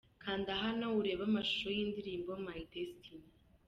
Kanda hano urebe amashusho y'indirimbo 'My Destiny'.